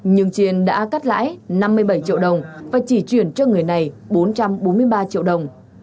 nhưng chiên đã cắt lãi năm mươi bảy triệu đồng và chỉ chuyển cho người này bốn trăm bốn mươi ba triệu đồng